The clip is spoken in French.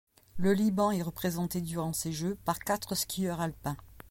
Le Liban est représenté durant ces Jeux par quatre skieurs alpins.